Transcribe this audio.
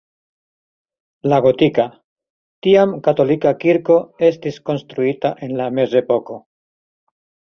La gotika, tiam katolika kirko estis konstruita en la mezepoko.